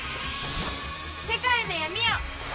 世界の闇を！